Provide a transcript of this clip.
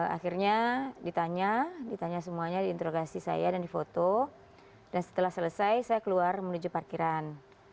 akhirnya ditanya ditanya semuanya diinterogasi saya dan di foto dan setelah selesai saya keluar menuju parkiran